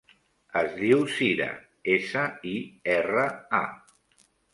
Es diu Sira: essa, i, erra, a.